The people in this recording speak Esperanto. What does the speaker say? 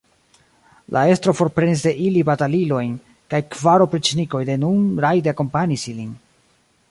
La estro forprenis de ili batalilojn, kaj kvar opriĉnikoj denun rajde akompanis ilin.